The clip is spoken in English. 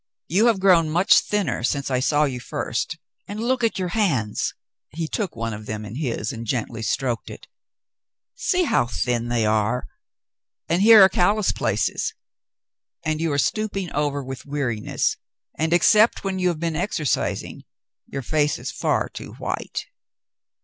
You have grown much thinner since I saw you first, and look at your hands." He took one of them in his and gently stroked it. "See how thin they are, and here are callous 108 The Mountain Girl places. And you are stooping over with weariness, and, except when you have been exercising, your face is far too white."